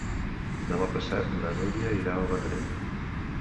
Demà passat na Núria irà al Vendrell.